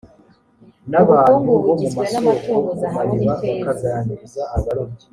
ubukungu bugizwe n’amatungo zahabu n’ifeza